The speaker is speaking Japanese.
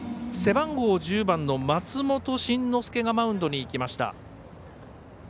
背番号１０番の松本慎之介がマウンドに行きました。